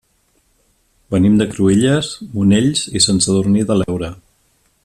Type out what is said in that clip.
Venim de Cruïlles, Monells i Sant Sadurní de l'Heura.